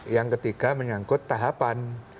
yang ketiga menyangkut tahapan